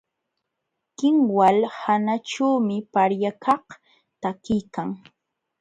Kinwal hanaćhuumi paryakaq takiykan.